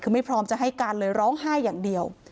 คือไม่พร้อมจะให้การเลยร้องไห้อย่างเดียว